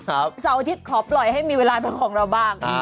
เสาร์อาทิตย์ขอปล่อยให้มีเวลาเป็นของเราบ้าง